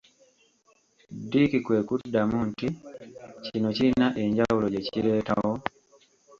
Dick kwe kuddamu nti Kino kirina enjawulo gye kireetawo?